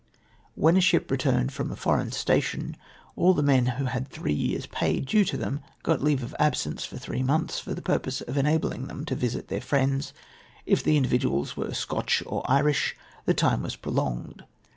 When a ship returned from a foreign station, all the men who had three years pay due to them got leave of absence for three months, for the purpose of enabling them to visit their friends ; if the individuals were Scotch or Irish the time was prolonged.